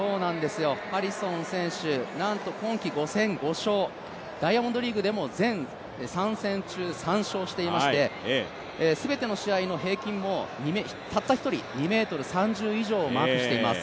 ハリソン選手、なんと今季５戦５勝、全３戦中３勝していまして、全ての試合の平均もたった１人、２ｍ３０以上をマークしています。